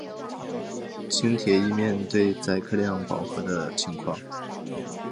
轻铁亦面对载客量饱和的情况。